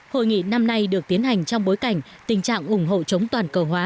hội nghị năm nay được tiến hành trong bối cảnh tình trạng ủng hộ chống toàn cầu hóa